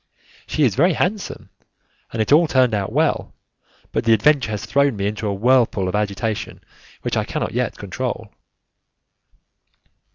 She is very handsome, and it all turned out well, but the adventure has thrown me into a whirlpool of agitation which I cannot yet control."